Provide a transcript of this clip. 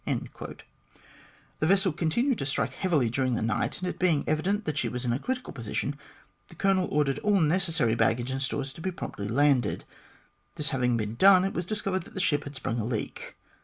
The vessel continued to strike heavily during the night, and it being evident that she was in a critical position, the Colonel ordered all the necessary baggage and stores to be promptly landed. This having been done, it was discovered that the ship had sprung a leak.